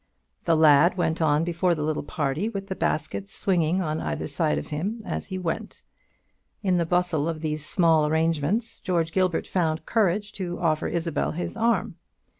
The lad went on before the little party, with the baskets swinging on either side of him as he went; and in the bustle of these small arrangements George Gilbert found courage to offer Isabel his arm.